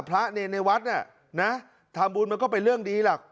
พระเนรในวัดน่ะนะทำบุญมันก็เป็นเรื่องดีล่ะ